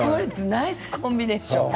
ナイスコンビネーション。